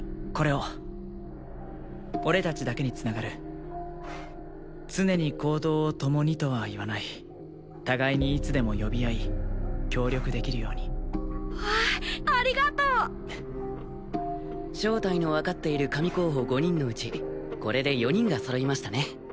これを俺達だけにつながる常に行動を共にとは言わない互いにいつでも呼び合い協力できるようにわあっありがとう正体の分かっている神候補５人のうちこれで４人が揃いましたね